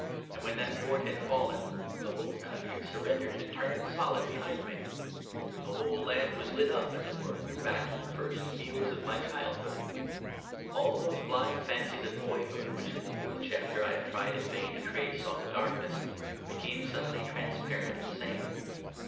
And when that fort had fallen the whole country surrendered and turned solid behind me. The whole land was lit up, as it were, back to the first fields of my childhood. All those blind fancies of boyhood which in the fourth chapter I have tried in vain to trace on the darkness, became suddenly transparent and sane.